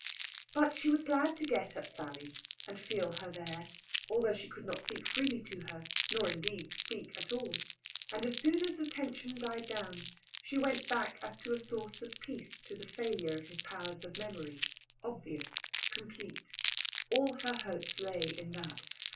But she was glad to get at Sally, and feel her there, though she could not speak freely to her nor, indeed, speak at all. And as soon as the tension died down, she went back as to a source of peace to the failure of his powers of memory, obvious, complete. All her hopes lay in that.